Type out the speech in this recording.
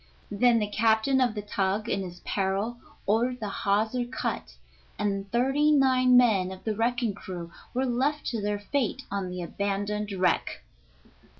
Then the captain of the tug, in his peril, ordered the hawser cut, and thirty nine men of the wrecking crew were left to their fate on the abandoned wreck.